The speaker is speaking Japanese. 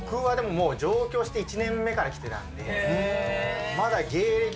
もう上京して１年目から来てたんで。